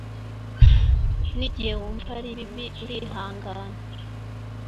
n'igihe wumva ari bibi urihangana